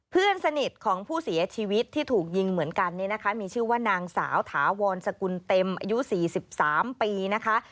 เพื่อนสนิทของผู้เสียชีวิตที่ถูกยิงเหมือนกันเนี่ยนะคะมีชื่อว่านางสาวถาวรสกุลเต็มอายุ๔๓ปีนะคะ